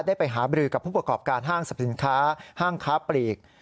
ได้ไปหาบรือกับผู้ประกอบการห้างสรรพสินค้าห้างค้าปลีก